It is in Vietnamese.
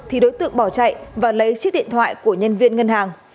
thì đối tượng bỏ chạy và lấy chiếc điện thoại của nhân viên ngân hàng